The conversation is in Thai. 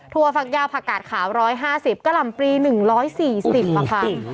ทัวร์ฟักยาวผักกาดขาว๑๕๐ก็ลำปลี๑๔๐นะคะ